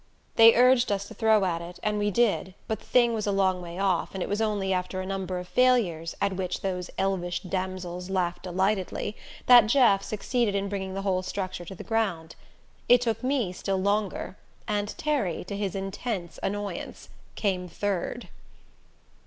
They urged us to throw at it, and we did, but the thing was a long way off, and it was only after a number of failures, at which those elvish damsels laughed delightedly, that Jeff succeeded in bringing the whole structure to the ground. It took me still longer, and Terry, to his intense annoyance, came third.